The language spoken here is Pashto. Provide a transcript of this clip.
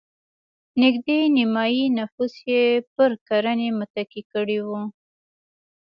نږدې نیمايي نفوس یې پر کرنې متکي کړی و.